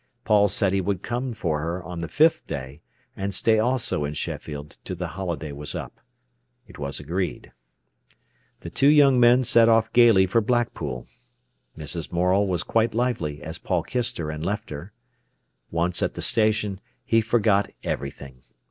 Paul said he would come for her on the fifth day, and stay also in Sheffield till the holiday was up. It was agreed. The two young men set off gaily for Blackpool. Mrs. Morel was quite lively as Paul kissed her and left her. Once at the station, he forgot everything.